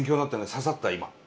刺さった今。